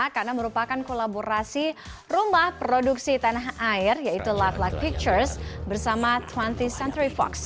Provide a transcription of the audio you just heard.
karena merupakan kolaborasi rumah produksi tanah air yaitu love like pictures bersama dua puluh th century fox